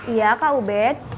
iya kak ubed